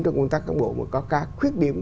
trong công tác cán bộ mà có khuyết điểm